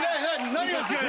何が違うの？